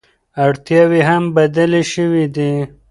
اړتیاوې هم بدلې شوې دي.